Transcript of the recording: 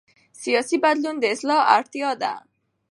سیاسي بدلون د اصلاح اړتیا ده